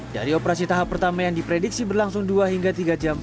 dari operasi tahap pertama yang diprediksi berlangsung dua hingga tiga jam